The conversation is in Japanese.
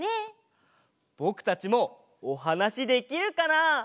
ぼくたちもおはなしできるかな？